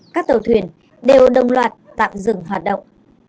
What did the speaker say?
các tàu thuyền đều đồng loạt tạm dừng hoạt động